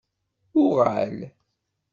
Uɣal.